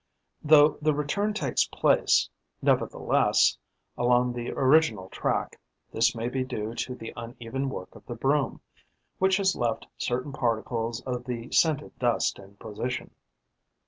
Though the return takes place, nevertheless, along the original track, this may be due to the uneven work of the broom, which has left certain particles of the scented dust in position.